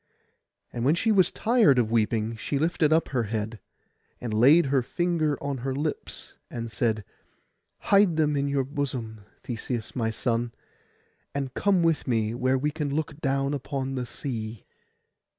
And when she was tired of weeping, she lifted up her head, and laid her finger on her lips, and said, 'Hide them in your bosom, Theseus my son, and come with me where we can look down upon the sea.